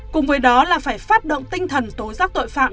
cùng với đó là phải phát động tinh thần tố giác tội phạm